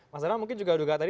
mas danang mungkin juga